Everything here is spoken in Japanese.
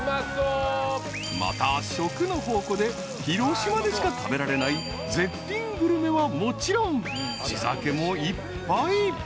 ［また食の宝庫で広島でしか食べられない絶品グルメはもちろん地酒もいっぱい］